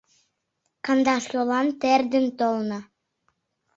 Кандаш йолан тер ден толна